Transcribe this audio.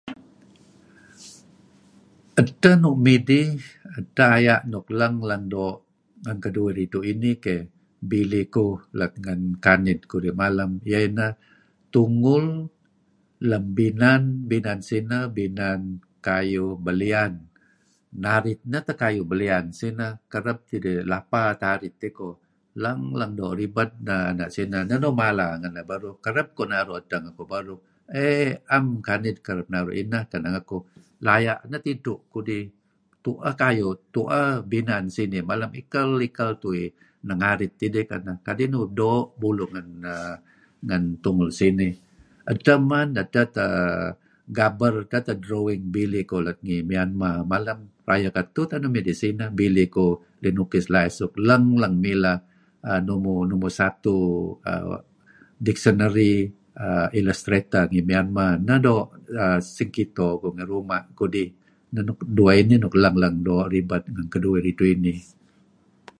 Edteh nuk midih edteh aya' nuk leng-leng doo' ngen keduih ridtu' inih keh, bilih kuh let ngen kanid kudih malem, iyeh ineh tungul lem binan, binan sineh binah kayuh belian. Narit neh teh kayuh belian sineh, kereb tidih, lapa teh arit dih koh, leng-leng doo' ribed neh nuk sineh. Neh nuih mala ngeneh kan kereb iyeh naru' edteh ngekuh beruh? Ei 'am kanid , na'em kereb naru' ineh keneh ngekuh, laya' neh tidtu' kudih tu'eh binan sinih malem, ikel-ikel tuih neh ngarit idih kadi' nuih doo' buluh ngen tungul sinih. Edteh teh man, edteh teh gaber, edteh teh drawing bilih kuh let ngi Myanmar malem, rayeh ketuh teh nuk midih sineh linukis la'ih suk leng-leng mileh numur satu dictionary illustrator ngi Myanmar neh nuk sengkito kuh ngi ruma' ngih, Dueh inih nuk leng-leng doo' ribed ngen keduih ridtu' inih.